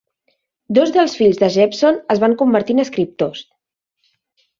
Dos dels fills de Jepson es van convertir en escriptors.